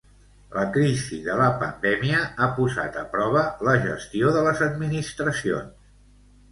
La crisi de la pandèmia ha posat a prova la gestió de les administracions.